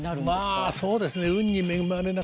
まあそうですね。